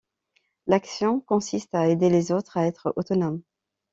L’action consiste à aider les autres à être autonomes.